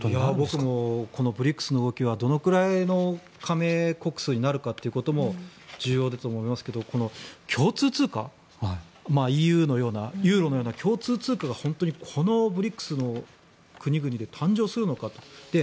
僕もＢＲＩＣＳの動きはどのくらいの加盟国数になるかということも重要だと思いますがこの共通通貨ＥＵのようなユーロのような共通通貨が本当にこのＢＲＩＣＳの国々で誕生するのかと。